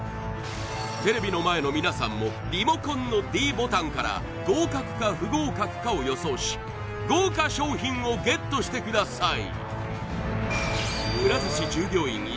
テレビの前の皆さんもリモコンのｄボタンから合格か不合格かを予想し豪華賞品をＧＥＴしてください